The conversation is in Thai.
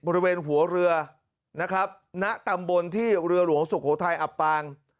บริเวณหัวเรือณตำบลที่เรือหลวงสุขหัวไทยอับปาง